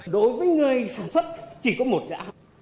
đối với người sản xuất chỉ có một giá